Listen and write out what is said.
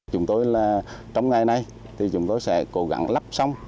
chúng tôi trong ngày nay thì chúng tôi sẽ cố gắng lắp xong